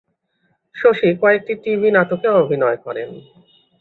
শশী কয়েকটি টিভি নাটকে অভনয় করেন।